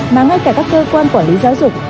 mà ngay cả các cơ quan tập trung học